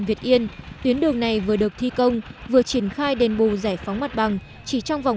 việt yên tuyến đường này vừa được thi công vừa triển khai đền bù giải phóng mặt bằng chỉ trong vòng